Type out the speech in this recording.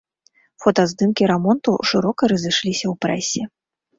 Фотаздымкі рамонту шырока разышліся ў прэсе.